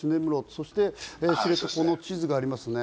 そしてこの地図、ありますね。